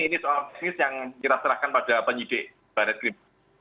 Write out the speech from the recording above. ini soal bisnis yang kita serahkan pada penyidik barat krim